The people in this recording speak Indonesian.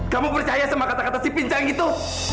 kamu percaya sama kata kata si pincang itu